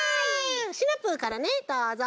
シナプーからねどうぞ。